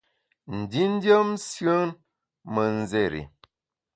Ndindiem nsùen me nzéri i.